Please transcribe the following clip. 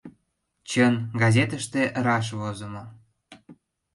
— Чын, газетыште раш возымо.